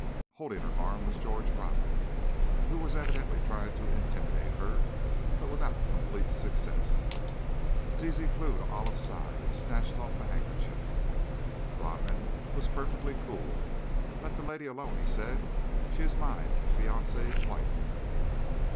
Holding her arm was George Rodman, who was evidently trying to intimidate her, but without complete success. Zizi flew to Olive's side, and snatched off the handkerchief. Rodman was perfectly cool. "Let that lady alone," he said; "she is my affianced wife."